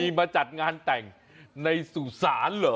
มีมาจัดงานแต่งในสุสานเหรอ